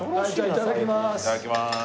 いただきます。